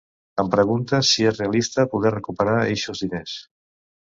Em preguntes si és realista poder recuperar eixos diners.